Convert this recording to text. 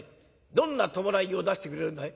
どんな葬式を出してくれるんだい？」。